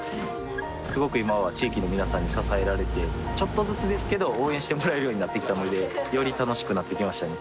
すごく今は地域の皆さんに支えられてちょっとずつですけど応援してもらえるようになってきたのでより楽しくなってきましたね